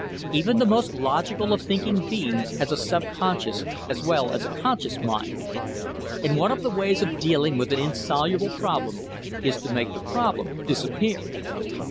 Even the most logical of thinking beings has a subconscious as well as a conscious mind, and one of the ways of dealing with an insoluble problem is to make the problem disappear.